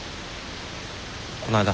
こないだ